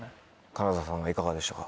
金澤さんはいかがでしたか？